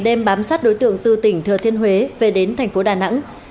đêm bám sát đối tượng từ tỉnh thừa thiên huế về đến tp đà nẵng